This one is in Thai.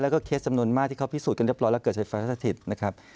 แล้วก็เคสจำนวนมากที่เขาพิสูจนกันเรียบร้อยแล้วเกิดไฟฟ้าสถิตนะครับ